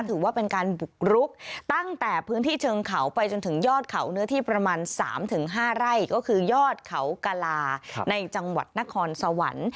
ถือว่าเป็นการบุกรุกตั้งแต่พื้นที่เชิงเขาไปจนถึงยอดเขาเนื้อที่ประมาณ๓๕ไร่ก็คือยอดเขากลาในจังหวัดนครสวรรค์